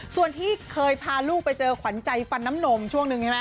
ส่วนที่เคยพาลูกไปเจอขวัญใจฟันน้ำนมช่วงหนึ่งใช่ไหม